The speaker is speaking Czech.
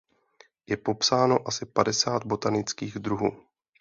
Je popsáno asi padesát botanických druhů.